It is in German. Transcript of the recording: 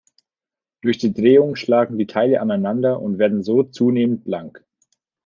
Durch die Drehung schlagen die Teile aneinander und werden so zunehmend blank.